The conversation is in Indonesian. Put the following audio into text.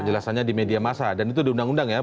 jelasannya di media masa dan itu di undang undang ya